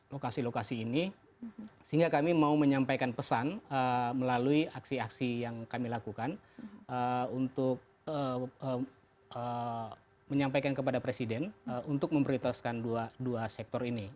lokasi lokasi ini sehingga kami mau menyampaikan pesan melalui aksi aksi yang kami lakukan untuk menyampaikan kepada presiden untuk memprioritaskan dua sektor ini